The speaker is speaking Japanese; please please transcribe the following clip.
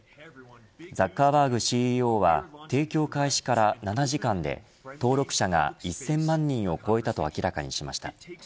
ザッカーバーグＣＥＯは提供開始から７時間で登録者が１０００万人を超えたと明らかにしました。